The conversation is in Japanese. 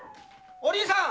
お凛さん！